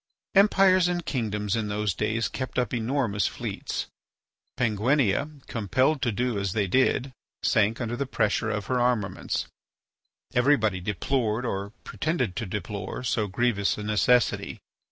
Empires and kingdoms in those days kept up enormous fleets. Penguinia, compelled to do as they did, sank under the pressure of her armaments. Everybody deplored or pretended to deplore so grievous a necessity.